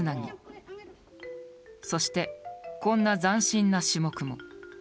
そしてこんな斬新な種目も。